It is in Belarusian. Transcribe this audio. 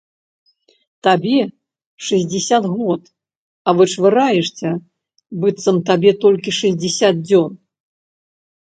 Табе шэсцьдзесят год, а вычвараешся, быццам табе толькі шэсцьдзесят дзён.